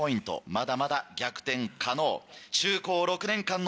まだまだ逆転可能。